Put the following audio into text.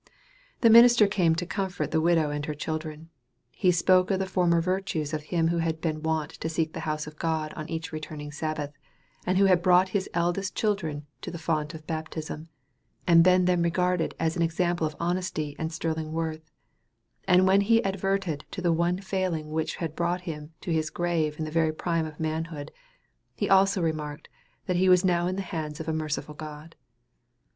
The minister came to comfort the widow and her children. He spoke of the former virtues of him who had been wont to seek the house of God on each returning Sabbath, and who had brought his eldest children to the font of baptism, and been then regarded as an example of honesty and sterling worth; and when he adverted to the one failing which had brought him to his grave in the very prime of manhood, he also remarked, that he was now in the hands of a merciful God.